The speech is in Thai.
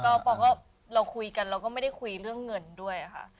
ก็พอก็เราคุยกันเราก็ไม่ได้คุยเรื่องเงินด้วยค่ะ